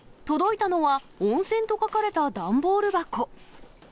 届いたのは、温泉と書かれた段ボール箱。